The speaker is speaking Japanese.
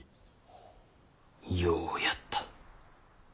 ようやった。